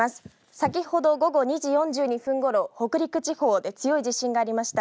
先ほど午後２時４２分ごろ北陸地方で強い地震がありました。